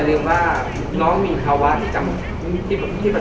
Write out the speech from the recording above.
ซึ่งความคิดว่าเป็นสิ่งที่มันมีเทียบผล